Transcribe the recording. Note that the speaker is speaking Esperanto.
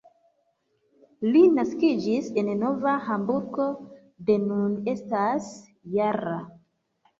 Li naskiĝis en Novo Hamburgo, do nun estas -jara.